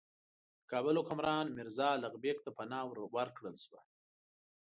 د کابل حکمران میرزا الغ بېګ ته پناه ورکړل شوه.